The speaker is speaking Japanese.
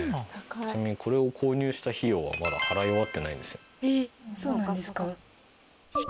ちなみにこれを購入した費用はまだ払い終わってないんですよ。